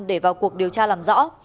để vào cuộc điều tra làm rõ